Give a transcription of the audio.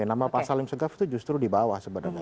nama pak salim segaf itu justru di bawah sebenarnya